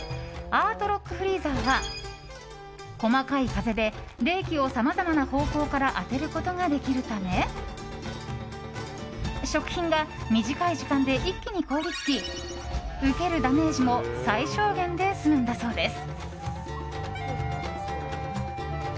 アートロックフリーザーは細かい風で冷気をさまざまな方向から当てることができるため食品が短い時間で一気に凍り付き受けるダメージも最小限で済むのだそうです。